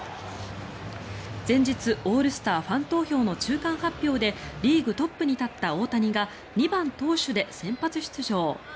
前日、オールスターファン投票の中間発表でリーグトップに立った大谷が２番投手で先発出場。